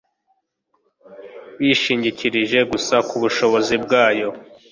bishingikirije gusa ku bushobozi bwayo